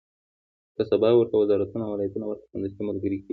که سبا ورته وزارتونه او ولایتونه ورکړي، سمدستي ملګري کېږي.